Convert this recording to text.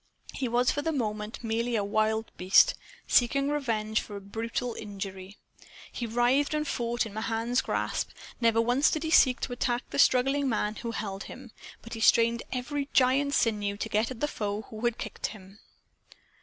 He was for the moment merely a wild beast, seeking revenge for a brutal injury. He writhed and fought in Mahan's grasp. Never once did he seek to attack the struggling man who held him. But he strained every giant sinew to get at the foe who had kicked him.